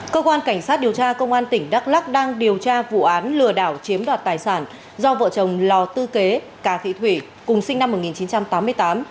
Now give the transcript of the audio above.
cơ quan cảnh sát điều tra công an tỉnh đắk lắc đang điều tra vụ án lừa đảo chiếm đoạt tài sản do vợ chồng lò tư kế cà thị thủy cùng sinh năm một nghìn chín trăm tám mươi tám